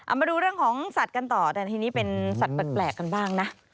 เอามาดูเรื่องของสัตว์กันต่อแต่ทีนี้เป็นสัตว์แปลกกันบ้างนะ